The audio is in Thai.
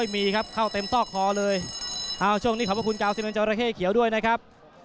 มากเอา๑๑จวระเข้เขียวด้วยนะครับ